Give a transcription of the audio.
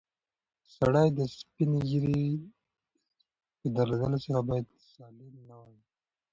سړی د سپینې ږیرې په درلودلو سره باید ظالم نه وای.